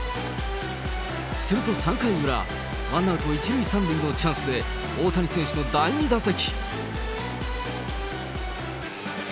すると３回裏、ワンアウト１塁３塁のチャンスで、大谷選手の第２打席。